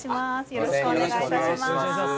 よろしくお願いします